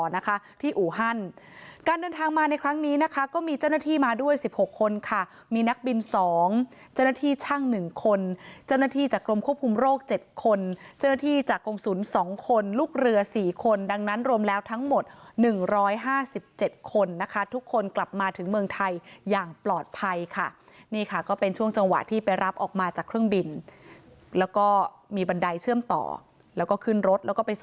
นะคะที่อู่ฮันการเดินทางมาในครั้งนี้นะคะก็มีเจ้าหน้าที่มาด้วย๑๖คนค่ะมีนักบิน๒เจ้าหน้าที่ช่าง๑คนเจ้าหน้าที่จากกรมควบคุมโรค๗คนเจ้าหน้าที่จากกรงศูนย์๒คนลูกเรือ๔คนดังนั้นรวมแล้วทั้งหมด๑๕๗คนนะคะทุกคนกลับมาถึงเมืองไทยอย่างปลอดภัยค่ะนี่ค่ะก็เป็นช่วงจังหวะที่ไปรับออกมาจากเครื่องบินแล้วก็มีบันไดเชื่อมต่อแล้วก็ขึ้นรถแล้วก็ไปส